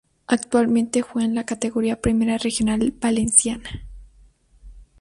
Actualmente juega en la categoría Primera Regional Valenciana.